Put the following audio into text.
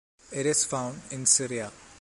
It is found in Syria.